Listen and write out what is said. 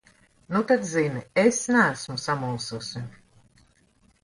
Nu tad zini: es neesmu samulsusi.